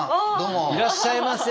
いらっしゃいませ。